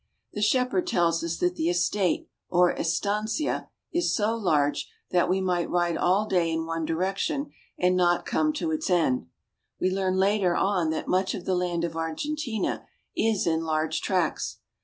The shepherd tells us that the estate, or estancia, is so large that we might ride all day in one direction and not come to its end. We learn later on that much of the land of Argentina is in large tracts.